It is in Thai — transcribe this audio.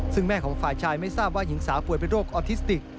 ซึ่งแม่ของฝ่ายชายไม่ทราบว่าหญิงสาวป่วยเป็นโรคออทิสติก